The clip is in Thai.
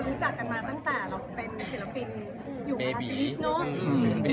คือจริงต้องบอกว่าเรารู้จักกันมาตั้งแต่เราเป็นศิลปินอยู่ราชินิสโน้น